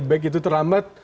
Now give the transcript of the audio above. back itu terlambat